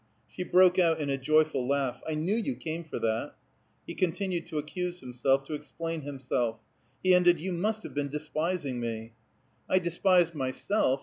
She broke out in a joyful laugh. "I knew you came for that." He continued to accuse himself, to explain himself. He ended, "You must have been despising me!" "I despised myself.